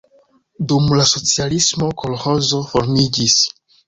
Dum la socialismo kolĥozo formiĝis.